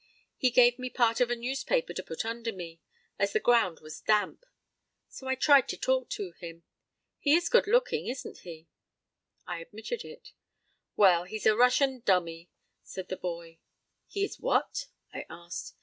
He gave me part of a newspaper to put under me, as the ground was damp. So I tried to talk to him.... He is good looking, isn't he?" I admitted it. "Well, he's a Russian dummy," said the boy. "He is what?" I asked.